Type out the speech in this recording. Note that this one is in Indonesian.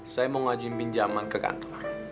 saya mau ngaji pinjaman ke kantor